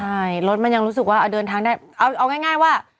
ใช่รถมันยังรู้สึกว่าเดินทางได้เอาง่ายว่า